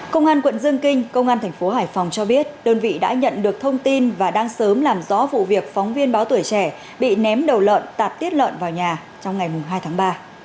công an quận dương kinh công an thành phố hải phòng cho biết đơn vị đã nhận được thông tin và đang sớm làm rõ vụ việc phóng viên báo tuổi trẻ bị ném đầu lợn tạp tiết lợn vào nhà trong ngày hai tháng ba